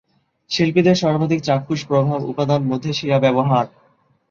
শিল্পীদের সর্বাধিক চাক্ষুষ প্রভাব উপাদান মধ্যে শিরা ব্যবহার।